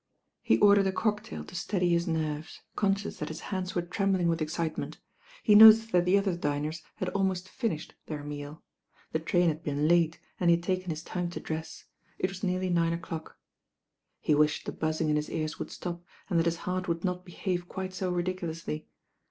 He ordered a cocktail to steady his nerves, con sdous that his hands were trembling with excitement. He noticed that the other diners had ahnost finished «48 THE MEETINO WITH THE RAIN OHIL 149 their meal. The train had been late, and he had taken his time to dreti. It was nearly nine o*clock. He wished the buzzing in his ears would stop, and that his heart would not behave quite so ridiculously.